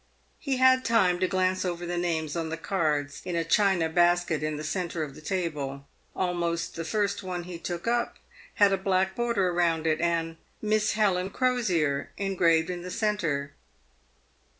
He had time to glance over the names on the cards in a china basket in the centre of the table. Almost the first one he took up had a black border round it, and " Miss Helen Crosier" engraved in the centre.